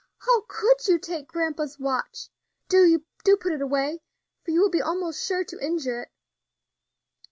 how could you take grandpa's watch? Do put it away, for you will be almost sure to injure it."